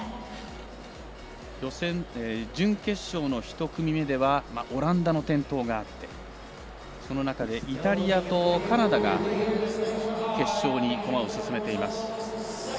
準決勝の１組目ではオランダの転倒があってその中でイタリアとカナダが決勝に駒を進めています。